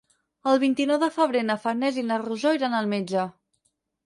El vint-i-nou de febrer na Farners i na Rosó iran al metge.